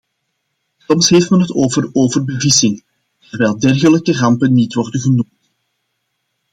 Soms heeft men het over overbevissing terwijl dergelijke rampen niet worden genoemd.